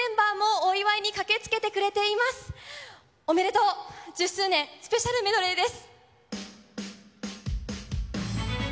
おめでとう、１０周年スペシャルメドレーです。